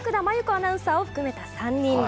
アナウンサーを含めた３人。